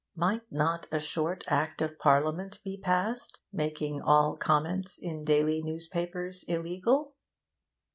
Might not a short Act of Parliament be passed, making all comment in daily newspapers illegal?